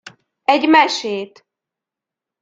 Egy mesét!